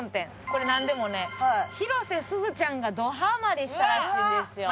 これなんでもね広瀬すずちゃんがドハマりしたらしいんですよ。